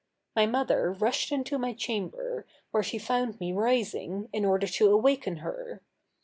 My mother rushed into my chamber, where she found me rising in order to awaken her.